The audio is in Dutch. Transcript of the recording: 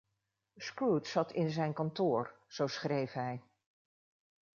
Scrooge zat in zijn kantoor, zo schreef hij.